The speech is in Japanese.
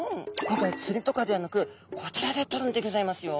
今回つりとかではなくこちらで取るんでギョざいますよ。